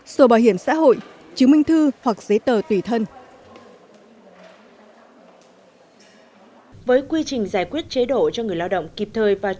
sổ bảo hiểm xã hội chứng minh thư hoặc giấy tờ tùy thân